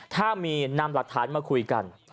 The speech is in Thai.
ถ้ามีนำหลักฐานมาคุยกัน